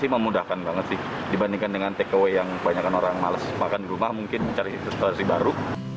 memudahkan banget sih dibandingkan dengan takeaway yang banyakan orang males makan di rumah mungkin cari baru